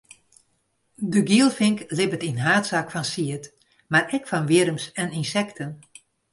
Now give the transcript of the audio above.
De gielfink libbet yn haadsaak fan sied, mar ek fan wjirms en ynsekten.